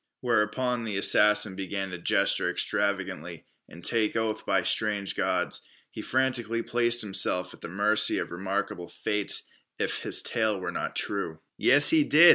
Whereupon the assassin began to gesture extravagantly, and take oath by strange gods. He frantically placed himself at the mercy of remarkable fates if his tale were not true. "Yes, he did!